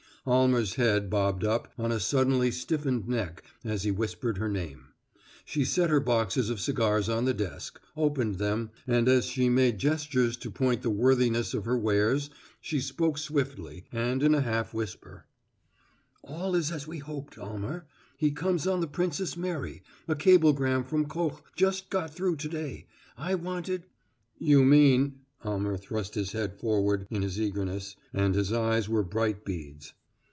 Almer's head bobbed up on a suddenly stiffened neck as he whispered her name. She set her boxes of cigars on the desk, opened them, and as she made gestures to point the worthiness of her wares, she spoke swiftly, and in a half whisper: "All is as we hoped, Almer. He comes on the Princess Mary a cablegram from Koch just got through to day. I wanted " "You mean " Almer thrust his head forward in his eagerness, and his eyes were bright beads.